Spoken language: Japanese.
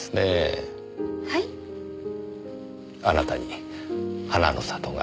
あなたに花の里が。